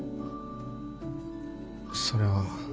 それは。